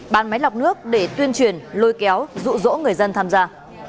bán máy lọc nước để tuyên truyền lôi kéo rụ rỗ người dân tham gia